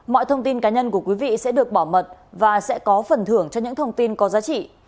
mọi thông tin cá nhân của quý vị sẽ được bảo mật và sẽ có phần thưởng cho những thông tin có giá trị